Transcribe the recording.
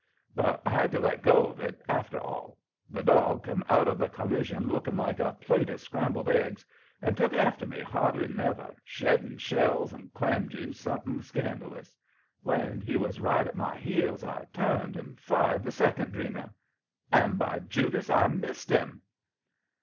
"But I had to let go of it, after all. The dog come out of the collision looking like a plate of scrambled eggs, and took after me harder'n ever, shedding shells and clam juice something scandalous. When he was right at my heels I turned and fired the second dreener. And, by Judas, I missed him!